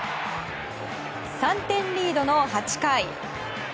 ３点リードの８回。